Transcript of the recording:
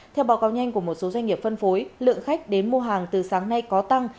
theo báo cáo nhanh của một số doanh nghiệp phân phối lượng khách đến mua hàng từ sáng nay có tăng